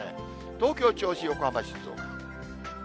東京、銚子、横浜、静岡。